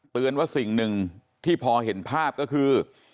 เตือนว่าสิ่งหนึ่งที่พอเห็นภาพก็คือ